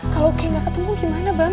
kalau kayak gak ketemu gimana bang